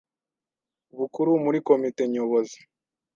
Bukuru muri Komite Nyobozi